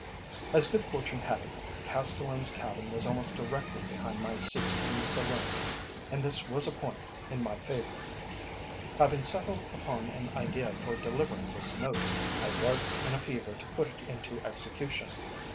As good fortune had it, Castellan's cabin was almost directly behind my seat in the saloon, and this was a point in my favour. Having settled upon an idea for delivering this note, I was in a fever to put it into execution.